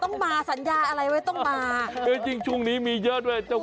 ต้องมาสัญญาอะไรเอาต้องมา